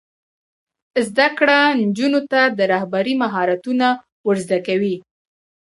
زده کړه نجونو ته د رهبرۍ مهارتونه ور زده کوي.